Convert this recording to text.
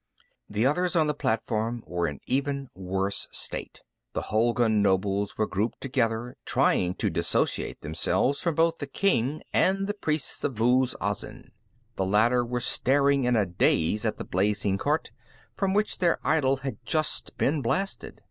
The others on the platform were in even worse state. The Hulgun nobles were grouped together, trying to disassociate themselves from both the king and the priests of Muz Azin. The latter were staring in a daze at the blazing cart from which their idol had just been blasted.